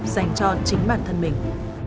dành cho chính bản thân mình